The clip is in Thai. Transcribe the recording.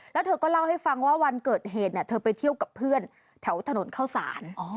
แล้วเธอก็เล่าให้ฟังว่าวันเกิดเหตุเธอไปเที่ยวกับเพื่อนแถวถนนเข้าสาร